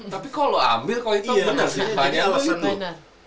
tapi kalo lu ambil kalo itu bener sih